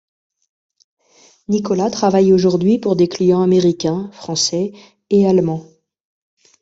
Nicolas travaille aujourd'hui pour des clients américains, français et allemands.